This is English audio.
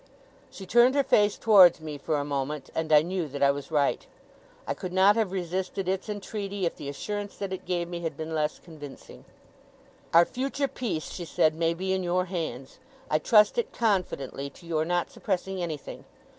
She turned her face towards me for a moment, and I knew that I was right. I could not have resisted its entreaty, if the assurance that it gave me had been less convincing. 'Our future peace,' she said, 'may be in your hands. I trust it confidently to your not suppressing anything.